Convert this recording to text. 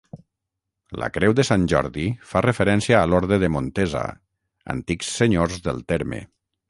La creu de Sant Jordi fa referència a l'orde de Montesa, antics senyors del terme.